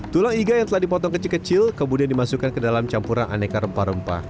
tulang iga yang telah dipotong kecil kecil kemudian dimasukkan ke dalam campuran aneka rempah rempah